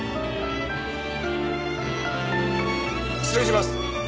失礼します！